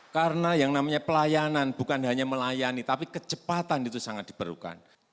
karena yang namanya pelayanan bukan hanya melayani tapi kecepatan itu sangat diperlukan